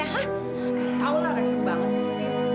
aku tau lah resip banget sih